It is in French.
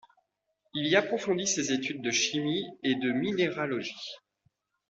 Il y approfondit ses études de chimie et de minéralogie.